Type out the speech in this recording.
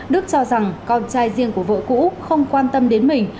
đức cho rằng con trai riêng của vợ cũ không quan tâm đến mình